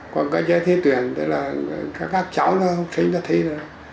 còn cơ chế thi tuyển thì là các cháu học sinh đã thi rồi